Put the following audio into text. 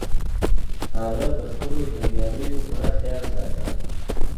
هغه د خپلو جنګیالیو پوره خیال ساته.